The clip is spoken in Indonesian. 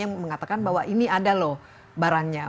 yang mengatakan bahwa ini ada loh barangnya